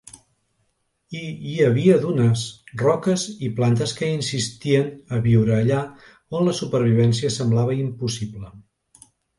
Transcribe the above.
I hi havia dunes, roques i plantes que insistien a viure allà on la supervivència semblava impossible.